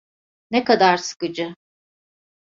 Ne kadar sıkıcı.